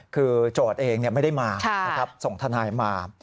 คือโจทย์เองไม่ได้มานะครับส่งทนายมา